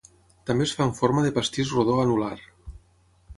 També es fa en forma de pastís rodó anul·lar.